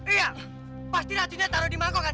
iya pasti hatinya taruh di mangkok kan